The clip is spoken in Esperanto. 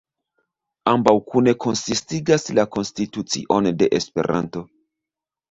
Ambaŭ kune konsistigas la konstitucion de Esperanto.